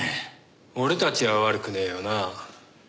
俺たちは悪くねえよなあ？